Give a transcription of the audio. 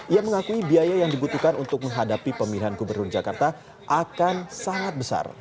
ia mengakui biaya yang dibutuhkan untuk menghadapi pemilihan gubernur jakarta akan sangat besar